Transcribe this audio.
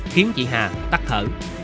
khiến chị hà tắt thở